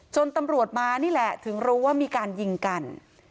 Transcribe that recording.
ตำรวจมานี่แหละถึงรู้ว่ามีการยิงกัน